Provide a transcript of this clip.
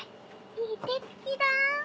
いい手つきだ！